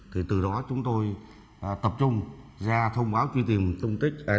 thì từ đó chúng tôi tập trung ra thông báo truy tìm tung tích